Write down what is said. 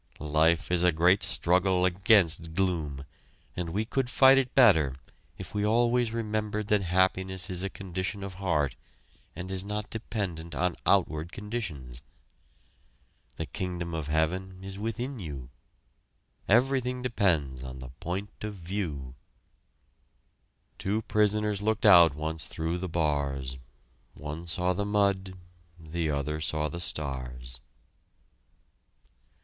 Life is a great struggle against gloom, and we could fight it better if we always remembered that happiness is a condition of heart and is not dependent on outward conditions. The kingdom of heaven is within you. Everything depends on the point of view. Two prisoners looked out once through the bars, One saw the mud, the other saw the stars.